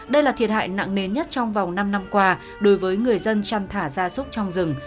đây là thiệt hại nặng nề nhất trong vòng năm năm qua đối với người dân chăn thả ra súc trong rừng